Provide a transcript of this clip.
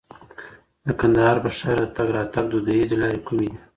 د کندهار په ښار کي د تګ راتګ دودیزې لارې کومې دي؟